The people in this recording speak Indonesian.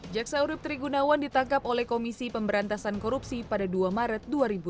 jaksa urib tri gunawan ditangkap oleh komisi pemberantasan korupsi pada dua maret dua ribu delapan